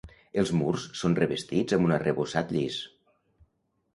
Els murs són revestits amb un arrebossat llis.